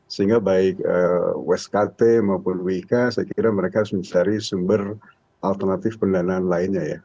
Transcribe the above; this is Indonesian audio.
sehingga baik wskt maupun wik saya kira mereka harus mencari sumber alternatif pendanaan lainnya ya